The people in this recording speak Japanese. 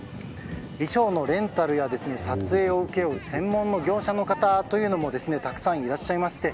衣装のレンタルや撮影を請け負う専門業者の方もたくさんいらっしゃいまして